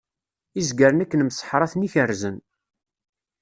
Izgaren akken mseḥṛaten i kerrzen.